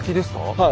はい。